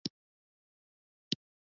د ټکري رنګ يې هم خپلو کاليو ته ورته و.